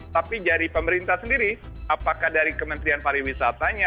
tapi dari pemerintah sendiri apakah dari kementerian pariwisatanya